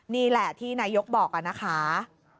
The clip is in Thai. นี่แหละที่นายกบอกนะคะ